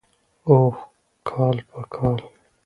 اوح کال په کال.